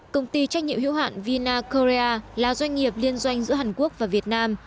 công ty trách nhiệm hữu hạn vina korea là doanh nghiệp liên doanh giữa hàn quốc và việt nam